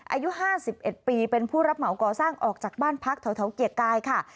อายุ๕๑ปีเป็นผู้รับเหมาก่อสร้างออกจากบ้านพักแถวเกียรติกายค่ะ